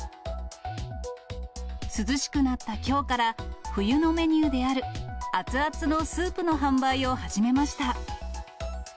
涼しくなったきょうから、冬のメニューである熱々のスープの販売を始めました。